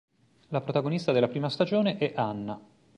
La protagonista della prima stagione è Hanna.